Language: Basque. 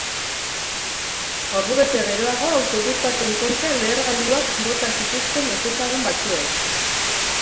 Ordubete geroago autobus baten kontra lehergailuak bota zituzten ezezagun batzuek.